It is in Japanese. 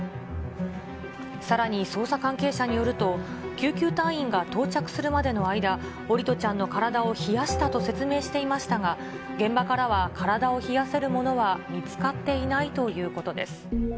さらに捜査関係者によると、救急隊員が到着するまでの間、桜利斗ちゃんの体を冷やしたと説明していましたが、現場からは体を冷やせるものは見つかっていないということです。